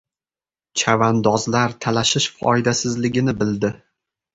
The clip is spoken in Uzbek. Chavandozlar talashish foydasizligini bildi.